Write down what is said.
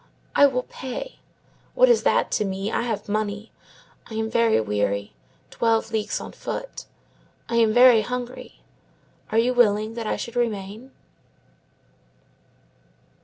I will pay. What is that to me? I have money. I am very weary; twelve leagues on foot; I am very hungry. Are you willing that I should remain?"